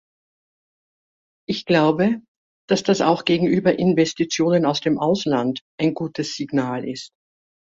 Ich glaube, dass das auch gegenüber Investitionen aus dem Ausland ein gutes Signal ist.